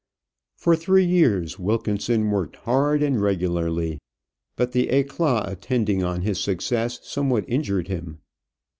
For three years Wilkinson worked hard and regularly; but the éclat attending on his success somewhat injured him.